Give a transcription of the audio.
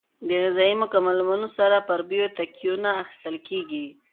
د غذایي مکملونو سره پروبیوتیکونه اخیستل کیږي.